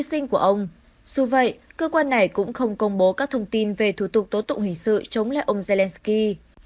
của vậy cơ quan này cũng không công bố các thông tin về thủ tục tố tụng hình sự chống lại ông zelensky